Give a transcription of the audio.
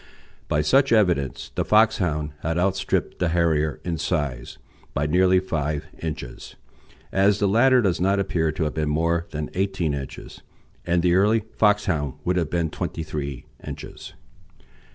By such evidence the Foxhound had outstripped the Harrier in size by nearly five inches, as the latter does not appear to have been more than eighteen inches, and the early Foxhound would have been twenty three inches.